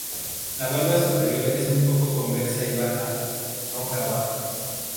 La valva superior es un poco convexa y la baja, cóncava.